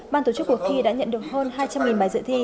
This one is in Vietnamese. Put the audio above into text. ban tổ chức cuộc thi đã nhận được hơn hai trăm linh bài dự thi